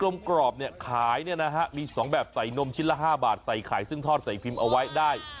มันมี๒แบบใส่นมชิ้นละ๕บาทใส่ไข่ซึ่งทอดใส่พิมพ์เอาไว้ได้